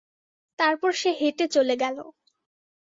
তারপর সে হেঁটে চলে গেল।